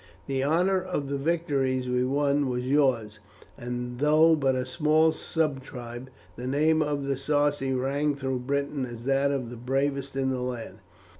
The honour of the victories we won was yours, and though but a small subtribe, the name of the Sarci rang through Britain as that of the bravest in the land.